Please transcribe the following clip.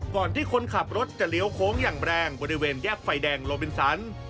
ก่อนที่คนขับรถจะเลี้ยวโค้งอย่างแรงบริเวณแยกไฟแดงโลบินสัน